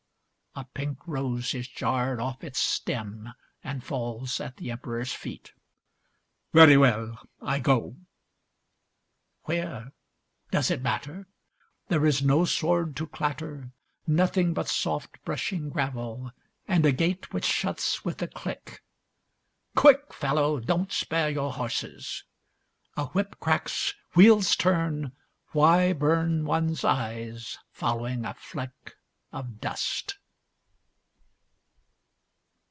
A pink rose is jarred off its stem and falls at the Emperor's feet. "Very well. I go." Where! Does it matter? There is no sword to clatter. Nothing but soft brushing gravel and a gate which shuts with a click. "Quick, fellow, don't spare your horses." A whip cracks, wheels turn, why burn one's eyes following a fleck of dust.